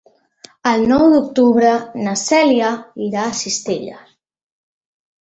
El nou d'octubre na Cèlia irà a Cistella.